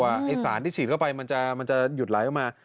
ไอ้สารที่ฉีดเข้าไปมันจะหยุดไหลออกมา